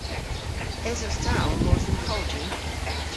Esos ta ow mos dhe'n kolji?